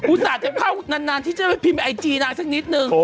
ส่าห์จะเข้านานที่จะไปพิมพ์ไอจีนางสักนิดนึง